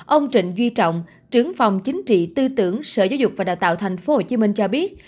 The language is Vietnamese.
ông trịnh duy trọng trưởng phòng chính trị tư tưởng sở giáo dục và đào tạo tp hcm cho biết